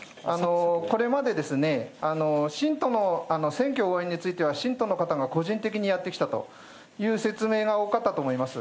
これまで、信徒の、選挙の応援については、信徒の方が個人的にやってきたという説明が多かったと思います。